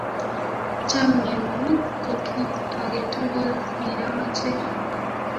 Chamyengung ko kit age tugul ne amache